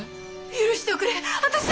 許しておくれ私は。